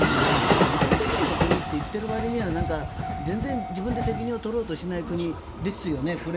自己責任の国と言っているわりには全然自分で責任を取らない国ですね。